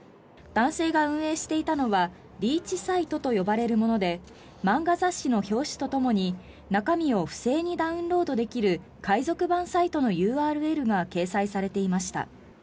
男性が運営していたのはリーチサイトと呼ばれるもので漫画雑誌の表紙とともに中身を不正にダウンロードできる海賊版サイトのＵＲＬが掲載されていました。